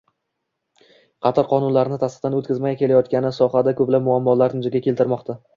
qator qonunlarni tasdiqdan o‘tkazmay kelayotgani sohada ko‘plab muammolarni yuzaga keltirmoqda.